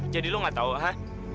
jadi lu gak tau ha